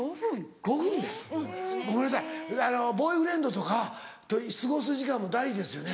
ごめんなさいボーイフレンドとかと過ごす時間も大事ですよね？